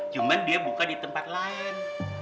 cuma dia buka di tempat lain